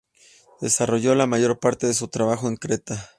Desarrolló la mayor parte de su trabajo en Creta.